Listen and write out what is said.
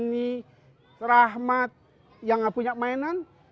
sabeni rahmat yang nggak punya mainan